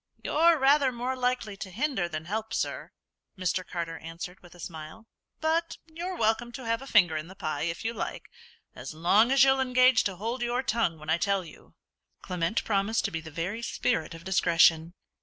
"You're rather more likely to hinder than help, sir," Mr. Carter answered, with a smile; "but you're welcome to have a finger in the pie if you like, as long as you'll engage to hold your tongue when I tell you." Clement promised to be the very spirit of discretion.